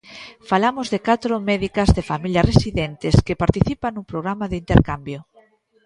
Falamos de catro médicas de familia residentes que participan nun programa de intercambio.